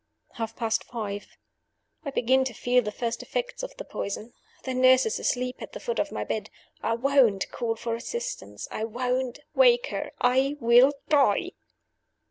"Half past five. "I begin to feel the first effects of the poison. The nurse is asleep at the foot of my bed. I won't call for assistance; I won't wake her. I will die.